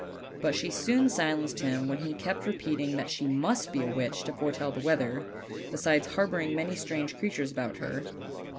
But she soon silenced him when he kept repeating that she must be a witch to foretell the weather, besides harboring many strange creatures about her.